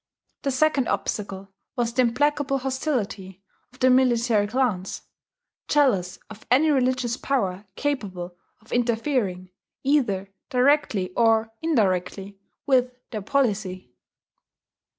The second obstacle was the implacable hostility of the military clans, jealous of any religious power capable of interfering, either directly or indirectly, with their policy.